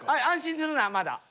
安心するなまだ。